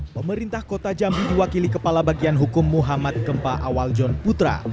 pemerintah kota jambi diwakili kepala bagian hukum muhammad kempa awaljon putra